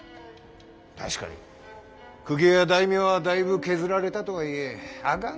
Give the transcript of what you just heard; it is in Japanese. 確かに公家や大名はだいぶ削られたとはいえあがん